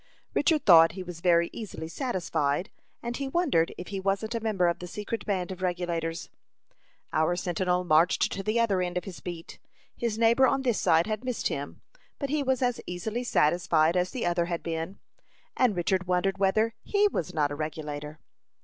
Richard thought he was very easily satisfied, and he wondered if he wasn't a member of the secret band of Regulators. Our sentinel marched to the other end of his beat. His neighbor on this side had missed him, but he was as easily satisfied as the other had been, and Richard wondered whether he was not a Regulator.